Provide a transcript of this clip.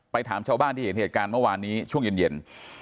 ถามชาวบ้านที่เห็นเหตุการณ์เมื่อวานนี้ช่วงเย็น